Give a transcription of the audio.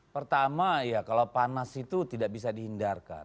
pertama ya kalau panas itu tidak bisa dihindarkan